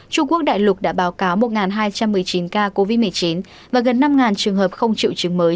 trung quốc đại lục đã báo cáo một hai trăm một mươi chín ca covid một mươi chín và gần năm trường hợp không triệu chứng mới